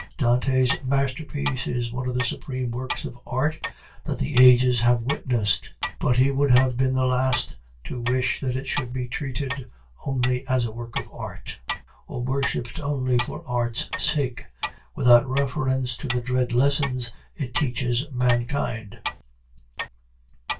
Dante's masterpiece is one of the supreme works of art that the ages have witnessed; but he would have been the last to wish that it should be treated only as a work of art, or worshiped only for art's sake, without reference to the dread lessons it teaches mankind.